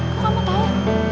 kok kamu tahu